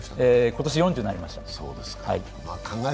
今年４０になりました。